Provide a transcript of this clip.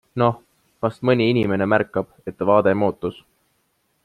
Noh, vast mõni inimene märkab, et vaade muutus.